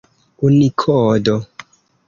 unikodo